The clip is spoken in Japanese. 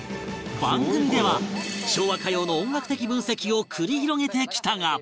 番組では昭和歌謡の音楽的分析を繰り広げてきたが